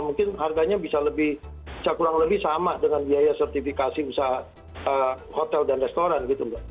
mungkin harganya bisa lebih kurang lebih sama dengan biaya sertifikasi bisa hotel dan restoran gitu mbak